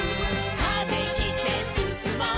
「風切ってすすもう」